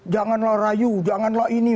janganlah rayu janganlah ini